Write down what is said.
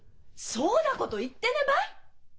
そんだこと言ってねえばい！